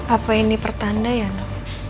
apa ini pertanda ya nok